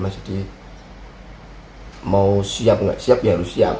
hai mau siap lagi taylor siap